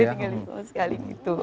udah ditinggalin sama sekali gitu